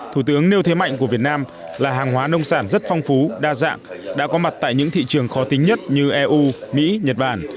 thủ tướng nêu thế mạnh của việt nam là hàng hóa nông sản rất phong phú đa dạng đã có mặt tại những thị trường khó tính nhất như eu mỹ nhật bản